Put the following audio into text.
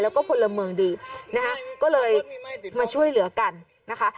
แล้วก็พลเมืองดีนะคะก็เลยมาช่วยเหลือกันนะคะ